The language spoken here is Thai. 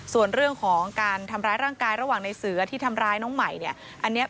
ส่วนเรื่องของการทำร้ายร่างกายระหว่างในเสือที่ทำร้ายน้องใหม่เนี่ย